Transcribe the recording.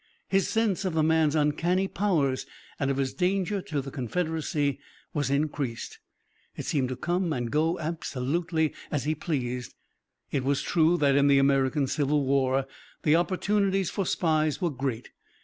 His sense of the man's uncanny powers and of his danger to the Confederacy was increased. He seemed to come and go absolutely as he pleased. It was true that in the American Civil War the opportunities for spies were great.